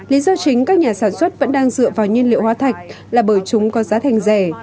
lý do chính các nhà sản xuất vẫn đang dựa vào nhiên liệu hóa thạch là bởi chúng có giá thành rẻ